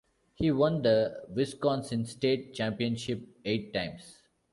He won the Wisconsin State Championship eight times.